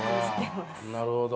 なるほど。